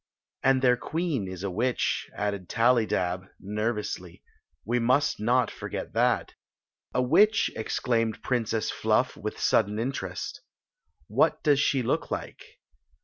"And their queen is a witch," added Tally dab, nervously. "We must not forget that." " A witch !" exclaimed Princess Fluff, with sudden interest. " What does she look like